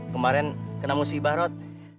kemarin kenamu si ibarat